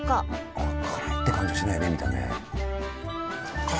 あっ辛いって感じはしないね見た目。